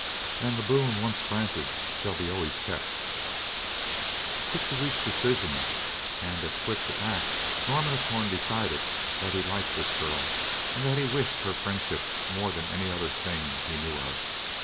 "And the boon once granted shall be always kept." Quick to reach decisions and as quick to act, Norman of Torn decided that he liked this girl and that he wished her friendship more than any other thing he knew of.